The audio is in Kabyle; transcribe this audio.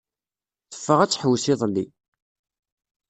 Teffeɣ ad tḥewwes iḍelli.